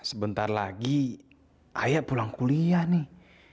sebentar lagi ayo pulang kuliah nih